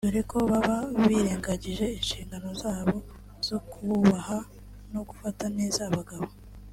dore ko baba birengagije inshingano zabo zo kubaha no gufata neza abagabo